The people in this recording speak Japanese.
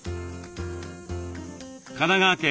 神奈川県